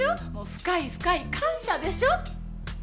深い深い感謝でしょ？